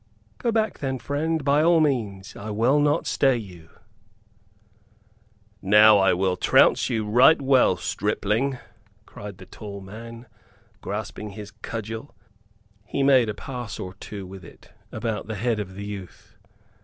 "Go back then, friend, by all means. I will not stay you." "Now will I trounce you right well, stripling," cried the tall man, grasping his cudgel. He made a pass or two with it about the head of the youth.